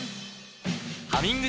「ハミング」